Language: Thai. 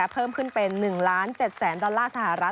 เพิ่มขึ้นเป็น๑ล้าน๗แสนดอลลาร์สหรัฐ